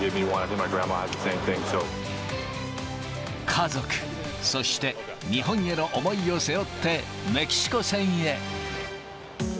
家族、そして日本への思いを背負って、メキシコ戦へ。